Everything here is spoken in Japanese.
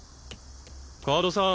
川戸さん